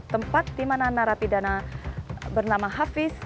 tempat di mana narapidana bernama hafiz